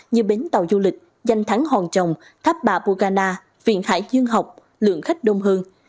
như bến tàu du lịch danh thắng hòn trồng tháp bà pugana viện hải dương học lượng khách đông hơn